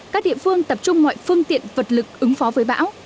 các địa phương tập trung mọi phương tiện vật lực ứng phó với bão